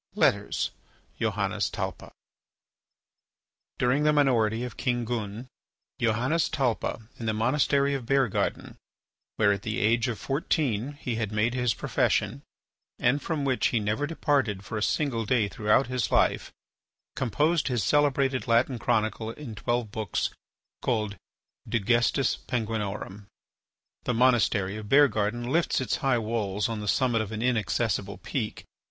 LETTERS: JOHANNES TALPA During the minority of King Gun, Johannes Talpa, in the monastery of Beargarden, where at the age of fourteen he had made his profession and from which he never departed for a single day throughout his life, composed his celebrated Latin chronicle in twelve books called "De Gestis Penguinorum." The monastery of Beargarden lifts its high walls on the summit of an inaccessible peak.